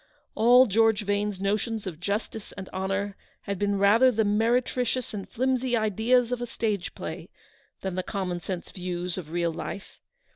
All George Vane's notions of justice and honour had been rather the meretricious and flimsy ideas of a stage play, than the common sense views of real life.